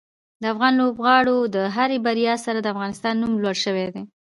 د افغان لوبغاړو د هرې بریا سره د افغانستان نوم لوړ شوی دی.